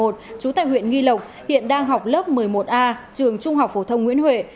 trú tại huyện nghi lộc hiện đang học lớp một mươi một a trường trung học phổ thông nguyễn huệ